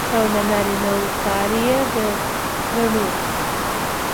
او د نارينه وو کار يې ګڼو.